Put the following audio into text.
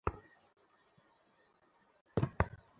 চলো আগামীকাল যাই।